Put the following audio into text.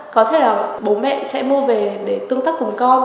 có thể là bố mẹ sẽ mua về để tương tác cùng con